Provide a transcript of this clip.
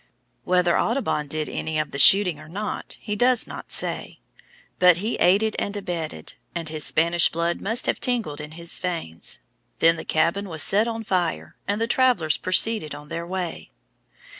Whether Audubon did any of the shooting or not, he does not say. But he aided and abetted, and his Spanish blood must have tingled in his veins. Then the cabin was set on fire, and the travellers proceeded on their way.